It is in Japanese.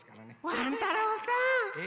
ワン太郎さん！え？